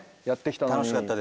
やってきたのに。